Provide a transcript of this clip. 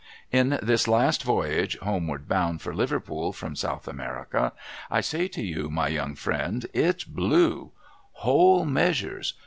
In this last voyage, homeward bound for Liverpool from South America, I say to you, my young friend, it blew. Whole measures